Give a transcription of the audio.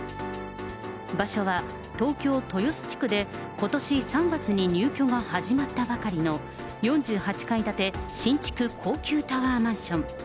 場所は東京・豊洲地区で、ことし３月に入居が始まったばかりの４８階建て新築高級タワーマンション。